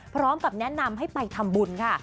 พร้อมกับแนะนำให้ไปทำบุญค่ะ